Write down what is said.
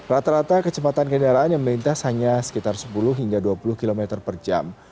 rata rata kecepatan kendaraan yang melintas hanya sekitar sepuluh hingga dua puluh km per jam